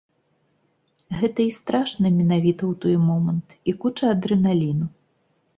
Гэта і страшна менавіта ў той момант, і куча адрэналіну.